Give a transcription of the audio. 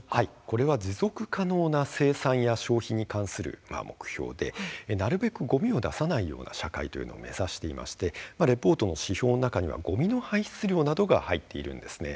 これは、持続可能な生産や消費に関する目標でなるべくごみを出さないような社会を目指していましてレポートの指標の中にはごみの排出量などが入っているんですね。